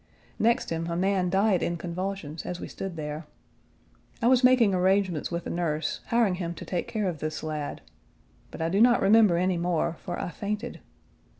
Next him a man died in convulsions as we stood there. I was making arrangements with a nurse, hiring him to take care of this lad; but I do not remember any more, for I fainted.